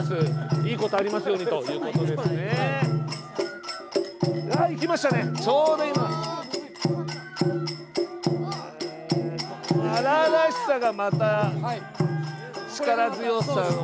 荒々しさがまた力強さ。